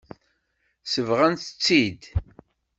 Sebɣent-tt-id.